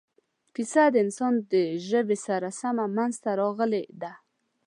کیسه د انسان د ژبې سره سم منځته راغلې ده.